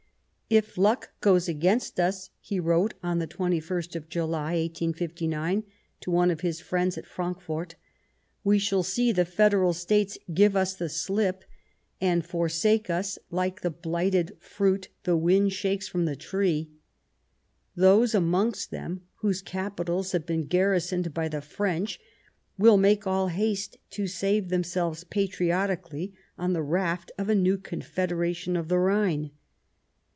" If luck goes against us," he wrote on the 21st of July, 1859, to one of his friends at Frankfort, " we shall see the Federal States give us the slip and forsake us like the blighted fruit the wind shakes from the tree. Those amongst them whose capitals have been garrisoned by the French will make all haste to save themselves patriotically on the raft of a new Confederation of the Rhine."